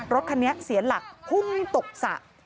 รถคันนี้เสียหลักพุ่งตกสระ